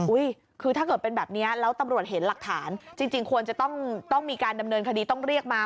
คือถ้าเกิดเป็นแบบนี้แล้วตำรวจเห็นหลักฐานจริงควรจะต้องมีการดำเนินคดีต้องเรียกมา